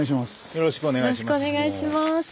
よろしくお願いします。